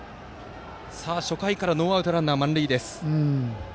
さあ、初回からノーアウトランナー満塁です。